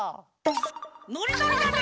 ノリノリだね！